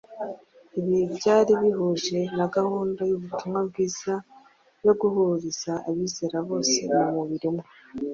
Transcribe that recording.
Ibi byari bihuje na gahunda y’ubutumwa bwiza yo guhuriza abizera bose mu mubiri umwe;